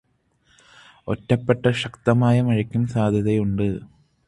ഒറ്റപ്പെട്ട ശക്തമായ മഴക്കും സാധ്യതയുണ്ട്.